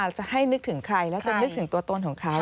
จะให้นึกถึงใครแล้วจะนึกถึงตัวตนของเขา